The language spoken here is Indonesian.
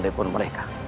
dari pun mereka